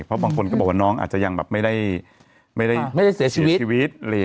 เพราะบางคนก็บอกว่าน้องอาจจะยังแบบไม่ได้เสียชีวิต